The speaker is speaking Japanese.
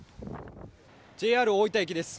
ＪＲ大分駅です。